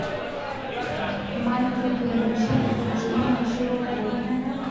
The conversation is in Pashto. مایکروبیولوژي د کوچنیو ژویو پوهنه ده